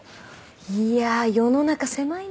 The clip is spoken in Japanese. いやあ世の中狭いねえ。